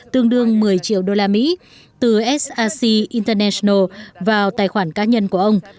tương đương một mươi triệu đô la mỹ từ src international vào tài khoản cá nhân của ông